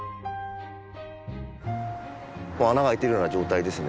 穴が開いてるような状態ですね。